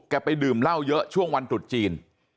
ไปดื่มเหล้าเยอะช่วงวันตรุษจีน